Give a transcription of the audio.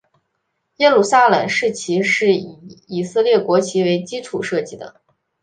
耶路撒冷市旗是以以色列国旗为基础设计。